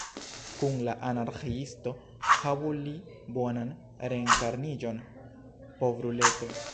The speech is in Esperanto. Kun la Anarĥiisto – havu li bonan reenkarniĝon, povruleto!